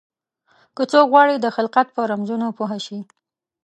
که څوک غواړي د خلقت په رمزونو پوه شي.